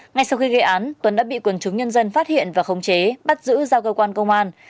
ngay sau khi gây án tuấn đã bị quần chúng nhân dân phát hiện và khống chế bắt giữ giao cơ quan công an